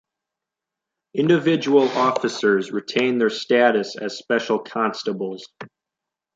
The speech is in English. Individual officers retained their status as special constables.